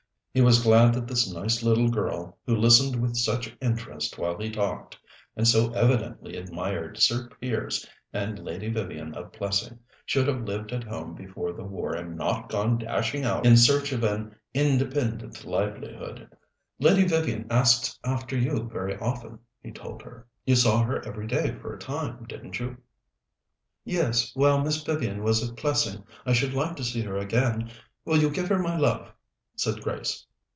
He was glad that this nice little girl who listened with such interest while he talked, and so evidently admired Sir Piers and Lady Vivian of Plessing, should have lived at home before the war and not gone dashing out in search of an independent livelihood. "Lady Vivian asks after you very often," he told her. "You saw her every day for a time, didn't you?" "Yes, while Miss Vivian was at Plessing. I should like to see her again. Will you give her my love?" said Grace.